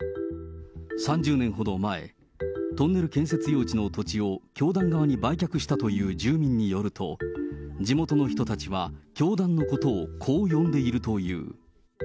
３０年ほど前、トンネル建設用地の土地を教団側に売却したという住民によると、地元の人たちは教団のことをこう呼んでいるという。